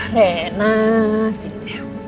rena sini deh